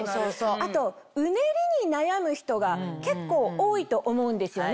あとうねりに悩む人が結構多いと思うんですよね。